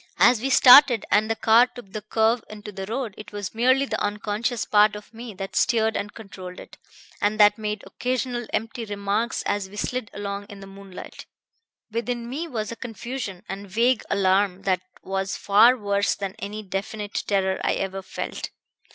As we started, and the car took the curve into the road, it was merely the unconscious part of me that steered and controlled it, and that made occasional empty remarks as we slid along in the moonlight. Within me was a confusion and vague alarm that was far worse than any definite terror I ever felt.